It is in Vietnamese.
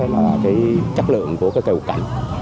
là cái chất lượng của cây quật cảnh